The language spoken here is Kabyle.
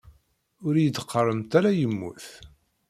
Ur iyi-d-qqaremt ara yemmut.